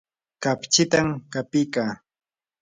kapchitam qapikaa.